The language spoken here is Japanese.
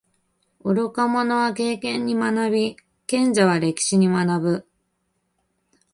愚か者は経験に学び，賢者は歴史に学ぶ。